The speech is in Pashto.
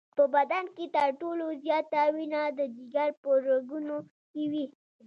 په بدن کې تر ټولو زیاته وینه د جگر په رګونو کې وي.